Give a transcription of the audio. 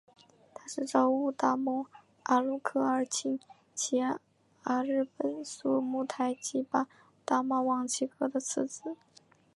他是昭乌达盟阿鲁科尔沁旗阿日本苏木台吉巴达玛旺其格的次子。